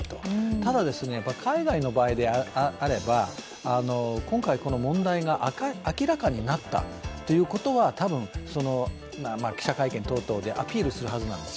ただ、海外の場合であれば今回この問題が明らかになったｔことはたぶん、記者会見等々でアピールするはずなんですよ。